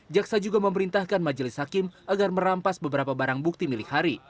jaksa juga memerintahkan majelis hakim agar merampas beberapa barang bukti milik hari